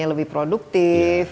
atau lebih produktif